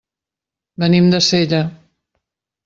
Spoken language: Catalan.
Venim de Sella.